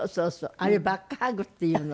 あれバックハグっていうの？